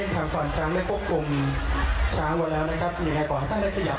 ดึงเด็กออกก่อนเนี่ย